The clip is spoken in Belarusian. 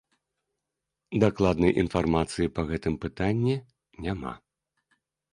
Дакладнай інфармацыі па гэтым пытанні няма.